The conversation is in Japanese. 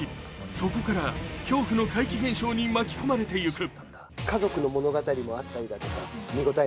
そこから恐怖の怪奇現象に巻き込まれていく。